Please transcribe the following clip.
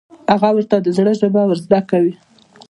هغه ورته د زړه ژبه ور زده کوي.